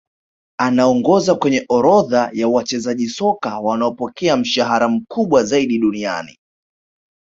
Anaongoza kwenye orodha ya wachezaji soka wanaopokea mshahara mkubwa zaidi duniani